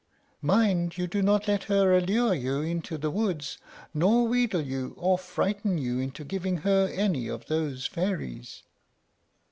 Mind you do not let her allure you into the woods, nor wheedle you or frighten you into giving her any of those fairies."